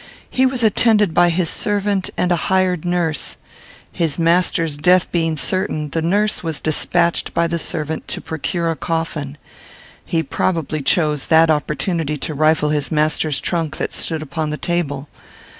He was attended by his servant and a hired nurse. His master's death being certain, the nurse was despatched by the servant to procure a coffin. He probably chose that opportunity to rifle his master's trunk, that stood upon the table.